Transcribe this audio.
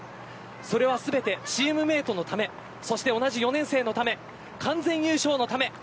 それは全てチームメートのためそして同じ４年生のため完全優勝のため。